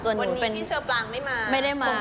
วันนี้พี่เชอปรางไม่มาไม่ได้มา